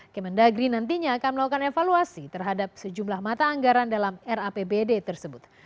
kemendagri nantinya akan melakukan evaluasi terhadap sejumlah mata anggaran dalam rapbd tersebut